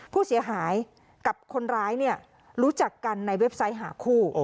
ผู้เสียหายกับคนร้ายรู้จักกันในเว็บไซต์หาคู่